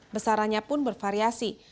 besarannya pun bervariasi